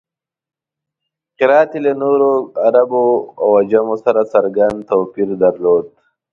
قرائت یې له نورو عربو او عجمو سره څرګند توپیر درلود.